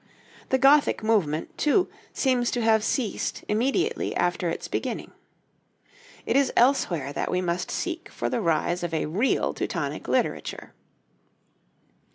The Gothic movement, too, seems to have ceased immediately after its beginning. It is elsewhere that we must seek for the rise of a real Teutonic literature.